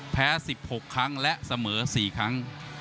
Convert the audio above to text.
แพ้๑๖ครั้งและเสมอ๔ครั้ง